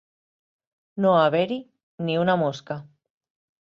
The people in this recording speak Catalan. No haver-hi ni una mosca.